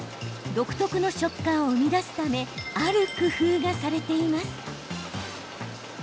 独特の食感を生み出すためある工夫がされています。